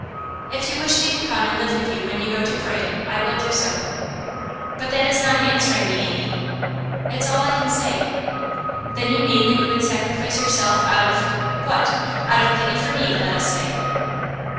'If you wish me to come and live with you when you go to Croydon I will do so.' 'But that is not answering me, Amy.' 'It's all I can say.' 'Then you mean that you would sacrifice yourself out of what? Out of pity for me, let us say.